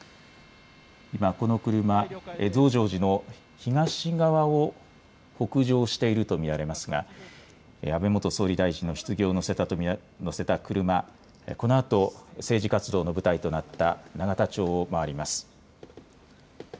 今、この車、増上寺の東側を北上していると見られますが安倍元総理大臣のひつぎを乗せた車、このあと政治活動の舞台となった永田町を回ります。